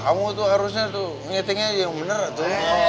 kamu tuh harusnya tuh ngitingnya yang bener tuh